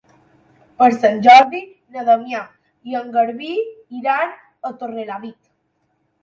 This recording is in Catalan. Per Sant Jordi na Damià i en Garbí iran a Torrelavit.